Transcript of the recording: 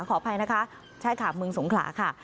ขออภัยนะคะใช่ค่ะเมืองสงขลาค่ะ